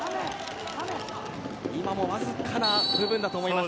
今もわずかな部分だと思います。